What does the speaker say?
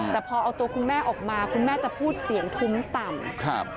แต่พอเอาตัวคุณแม่ออกมาคุณแม่จะพูดเสียงทุ้มต่ำครับ